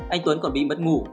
anh tuấn còn bị mất ngủ